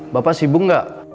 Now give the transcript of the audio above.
bapak sibuk gak